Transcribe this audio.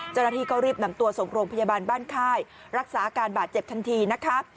เจ้าหน้าที่ก็รีบนำตัวส่งโรงพยาบาลบ้านค่ายรักษาอาการบาดเจ็บทันทีนะคะ